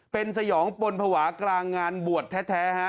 เป็นสยองปนภาวะกลางงานบวชแท้ฮะ